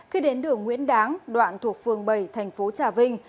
khi đến đường nguyễn đáng đoạn thuộc phương bảy tp trà vinh